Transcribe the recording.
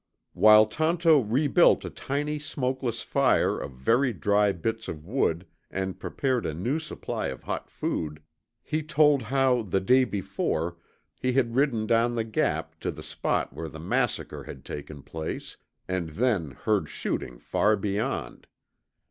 While Tonto rebuilt a tiny smokeless fire of very dry bits of wood and prepared a new supply of hot food, he told how, the day before, he had ridden down the Gap to the spot where the massacre had taken place, and then heard shooting far beyond.